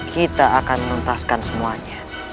kita akan menuntaskan semuanya